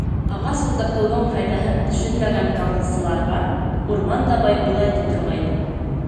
Ағас ултыртыуҙың файҙаһын төшөнмәгән колхозсыларға Урман бабай былай ти торғайны: